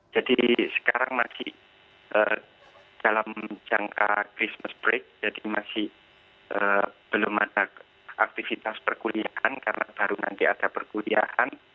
jadi sekarang masih dalam jangka christmas break jadi masih belum ada aktivitas perkuliahan karena baru nanti ada perkuliahan